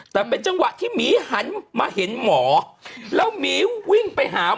แต่เป็นจังหวะที่หมีหันมาเห็นหมอแล้วหมีวิ่งไปหาหมอ